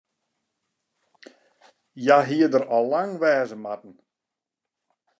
Hja hie der al lang wer wêze moatten.